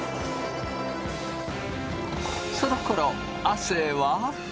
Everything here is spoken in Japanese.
そのころ亜生は？